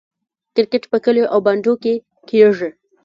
کرکټ په کلیو او بانډو کې کیږي.